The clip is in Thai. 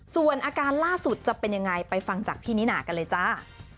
ส่วนอาการล่าสุดจะเป็นยังไงไปฟังจากพี่นิน่ากันเลยจ้า